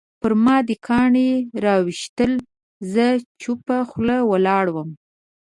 پرما دې کاڼي راویشتل زه چوپه خوله ولاړم